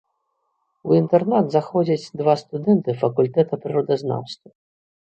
У інтэрнат заходзяць два студэнты факультэта прыродазнаўства.